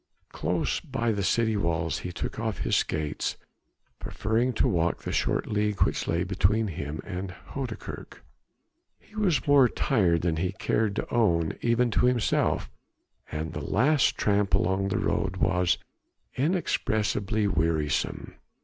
Close by the city walls he took off his skates, preferring to walk the short league which lay between him and Houdekerk. He was more tired than he cared to own even to himself, and the last tramp along the road was inexpressibly wearisome.